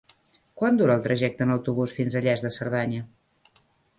Quant dura el trajecte en autobús fins a Lles de Cerdanya?